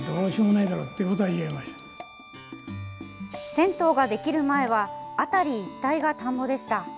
銭湯ができる前は辺り一帯が田んぼでした。